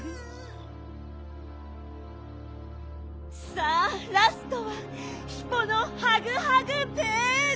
さあラストはヒポのハグハグヴェール！